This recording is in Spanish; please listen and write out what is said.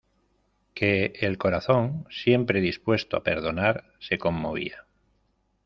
que el corazón siempre dispuesto a perdonar, se conmovía.